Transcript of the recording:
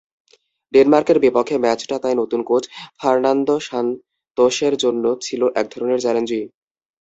ডেনমার্কের বিপক্ষে ম্যাচটা তাই নতুন কোচ ফার্নান্দো সানতোসের জন্য ছিল একধরনের চ্যালেঞ্জই।